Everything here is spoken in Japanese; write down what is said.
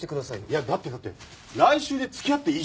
いやだってだって来週で付き合って１周年だろ？